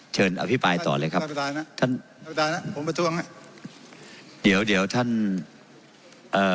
เชิญอภิปรายต่อเลยครับเดี๋ยวเดี๋ยวท่านเอ่อ